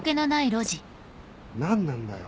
何なんだよ。